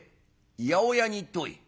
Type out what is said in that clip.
「八百屋に行ってこい」。